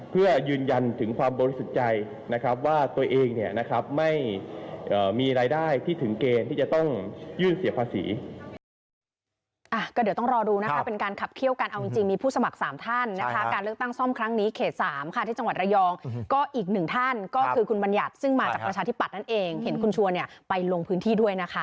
เพื่อยืนยันถึงความบริสุทธิ์ใจว่าตัวเองไม่มีรายได้ที่ถึงเกณฑ์ที่จะต้องยื่นเสียภาษี